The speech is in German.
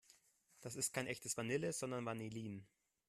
Das ist kein echtes Vanille, sondern Vanillin.